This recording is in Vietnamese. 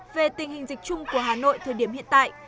về tình hình dịch chung của hà nội thời điểm hiện tại